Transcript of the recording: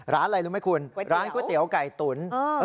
ร้านไก้ตุ๋น